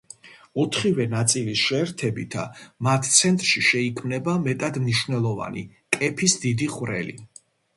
ოთხივე ნაწილის შეერთებით, მათ ცენტრში შეიქმნება მეტად მნიშვნელოვანი კეფის დიდი ხვრელი.